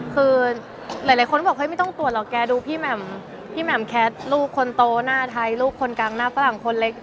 คือหลายคนก็บอกเฮ้ยไม่ต้องตรวจหรอกแกดูพี่แหม่มพี่แหม่มแคสลูกคนโตหน้าไทยลูกคนกลางหน้าฝรั่งคนเล็ก